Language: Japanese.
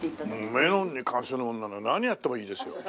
メロンに関するものなら何やってもいいですよ。